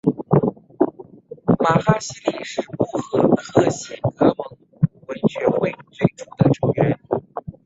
玛哈希力是布和贺喜格蒙古文学会最初的成员。